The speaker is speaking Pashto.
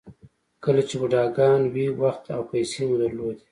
کله چې بوډاګان وئ وخت او پیسې مو درلودې.